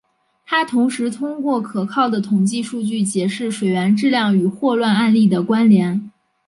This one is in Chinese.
他同时通过可靠的统计数据解释水源质量与霍乱案例的关联。